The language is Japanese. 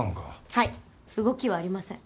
はい動きはありません。